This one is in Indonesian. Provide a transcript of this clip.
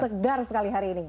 segar sekali hari ini